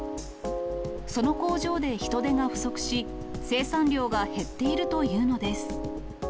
その工場で人手が不足し、生産量が減っているというのです。